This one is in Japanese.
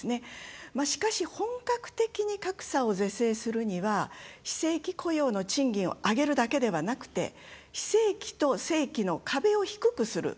しかし、本格的に格差を是正するには非正規雇用の賃金を上げるだけではなくて非正規と正規の壁を低くする。